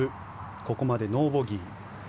ここまでノーボギー。